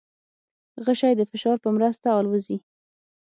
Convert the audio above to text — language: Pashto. غشی د فشار په مرسته الوزي.